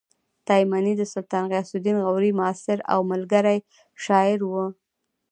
تایمني د سلطان غیاث الدین غوري معاصر او ملګری شاعر و